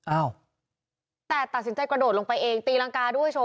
อ้าวแต่ตัดสินใจกระโดดลงไปเองตีรังกาด้วยโชว